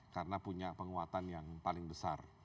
karena punya penguatan yang paling besar